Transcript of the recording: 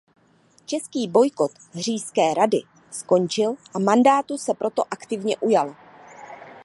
Český bojkot Říšské rady skončil a mandátu se proto aktivně ujal.